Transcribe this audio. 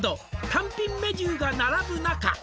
「単品メニューが並ぶ中」